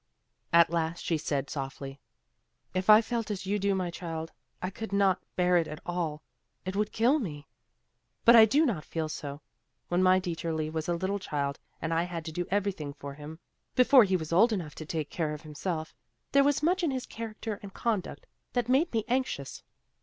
At last she said softly, "If I felt as you do, my child, I could not bear it at all. It would kill me. But I do not feel so. When my Dieterli was a little child and I had to do everything for him, before he was old enough to take care of himself, there was much in his character and conduct that made me anxious.